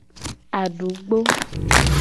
Adugbo.